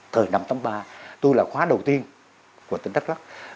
thời năm tám mươi ba tôi là khóa đầu tiên của tỉnh đắk lắc